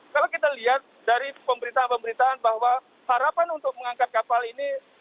kalau kita lihat dari pemberitaan pemberitaan bahwa harapan untuk mengangkat kapal ini